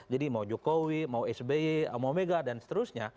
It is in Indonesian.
jadi mau jokowi mau sby mau omega dan seterusnya